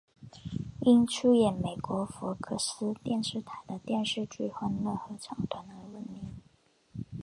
因出演美国福克斯电视台的电视剧欢乐合唱团而闻名。